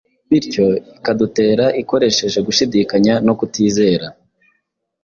bityo ikadutera ikoresheje gushidikanya no kutizera.